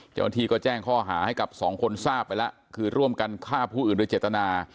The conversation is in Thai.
เจ้าหน้าที่ก็แจ้งข้อหาให้กับสองคนทราบไปแล้วคือร่วมกันฆ่าผู้อื่นโดยเจตนา